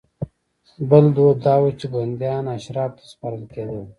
بل دود دا و چې بندیان اشرافو ته سپارل کېدل.